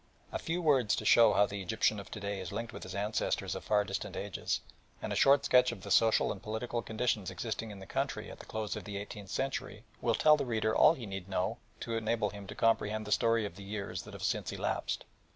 A few words to show how the Egyptian of to day is linked with his ancestors of far distant ages, and a short sketch of the social and political conditions existing in the country at the close of the eighteenth century will tell the reader all he need know to enable him to comprehend the story of the years that have since elapsed.